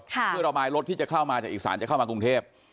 เพื่อระบายรถที่จะเข้ามาจากอีสานจะเข้ามากรุงเทพ